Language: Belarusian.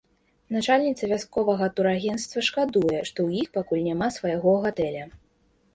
Начальніца вясковага турагенцтва шкадуе, што ў іх пакуль няма свайго гатэля.